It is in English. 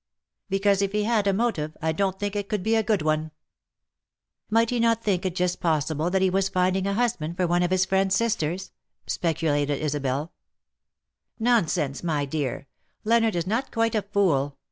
"Because if he had a motive, I don't think it could be a good one/' " Might he not think it just possible that he was finding a husband for one of his friend's sisters ?" speculated Christabel. " Nonsense, my dear ! Leonard is not quite a fool.